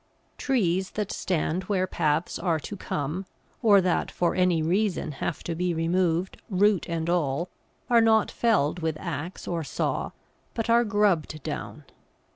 Trees that stand where paths are to come, or that for any reason have to be removed, root and all, are not felled with axe or saw, but are grubbed down.